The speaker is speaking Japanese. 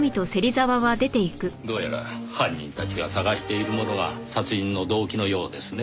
どうやら犯人たちが探しているものが殺人の動機のようですねぇ。